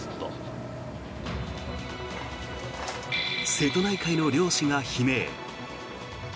瀬戸内海の漁師が悲鳴。